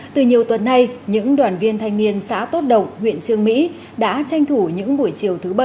từ nhiều tuần nay những đoàn viên thanh niên xã tốt động huyện trương mỹ đã tranh thủ những buổi chiều thứ bảy